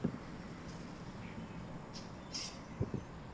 Omiya Kalam kod buk